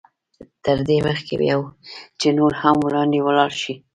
تر دې مخکې چې نور هم وړاندې ولاړ شئ.